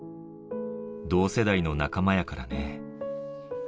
同世代の仲間やからね。